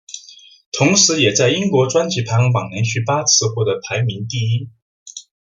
同时也在英国专辑排行榜连续八次获得排名第一。